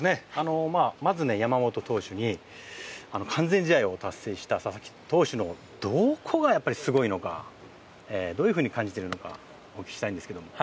まず山本投手に完全試合を達成した佐々木投手のどこがすごいのかどういうふうに感じているかお聞きしたいんですが。